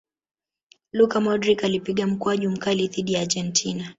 luka modric alipiga mkwaju mkali dhidi ya argentina